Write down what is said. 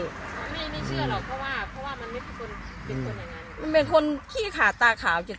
เพราะว่าเพราะว่ามันไม่เป็นคนเป็นคนอย่างงั้นมันเป็นคนที่ขาดตาขาวจริง